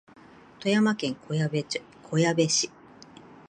富山県小矢部市